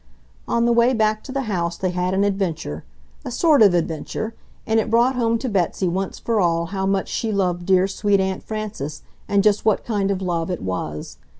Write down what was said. On the way back to the house they had an adventure, a sort of adventure, and it brought home to Betsy once for all how much she loved dear, sweet Aunt Frances, and just what kind of love it was.